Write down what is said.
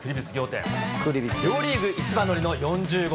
両リーグ一番乗りの４０号。